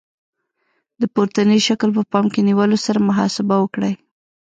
د پورتني شکل په پام کې نیولو سره محاسبه وکړئ.